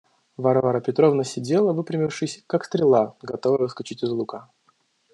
Варвара Петровна сидела выпрямившись, как стрела, готовая выскочить из лука.